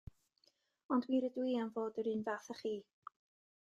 Ond mi rydw i am fod yr un fath â chi.